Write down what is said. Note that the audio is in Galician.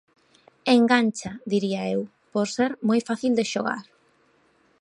Engancha, diría eu, por ser moi fácil de xogar.